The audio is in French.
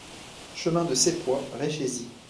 Chemin de Seppois, Réchésy